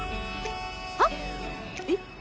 はっ？えっ？